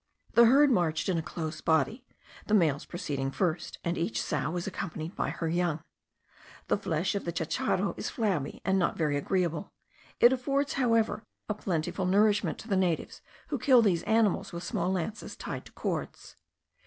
The herd marched in a close body, the males proceeding first; and each sow was accompanied by her young. The flesh of the chacharo is flabby, and not very agreeable; it affords, however, a plentiful nourishment to the natives, who kill these animals with small lances tied to cords.